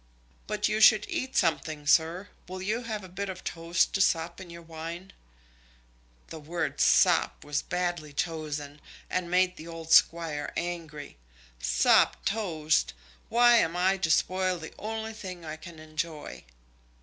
"But you should eat something, sir; will you have a bit of toast to sop in your wine?" The word "sop" was badly chosen, and made the old Squire angry. "Sopped toast! why am I to spoil the only thing I can enjoy?"